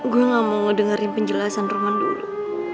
gue nggak mau dengerin penjelasan roman dulu